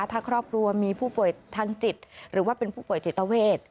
ถ้าครอบครัวมีผู้ป่วยทางจิตหรือว่าเป็นผู้ป่วยจิตเวท